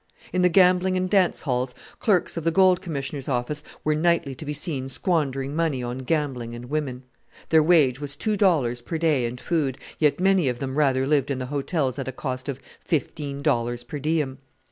In the gambling and dance halls clerks of the Gold Commissioner's office were nightly to be seen squandering money on gambling and women. Their wage was two dollars per day and food, yet many of them rather lived in the hotels at a cost of fifteen dollars per diem!